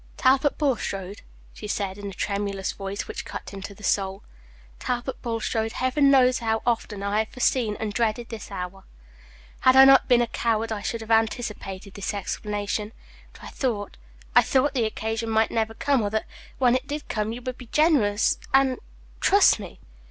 "Talbot Bulstrode," she said in a tremulous voice, which cut him to the soul, "Talbot Bulstrode, Heaven knows how often I have foreseen and dreaded this hour. Had I not been a coward, I should have anticipated this Page 45 explanation. But I thought I thought the occasion might never come, or that, when it did come, you would be generous and trust me.